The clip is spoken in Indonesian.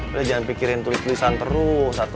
udah jangan pikirin tulisan terus satu